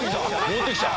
戻ってきた！